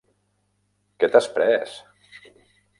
Què t'has pres?